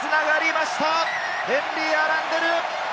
ヘンリー・アランデル、トライ！